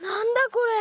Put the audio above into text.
これ。